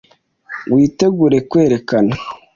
Witegure kwerekana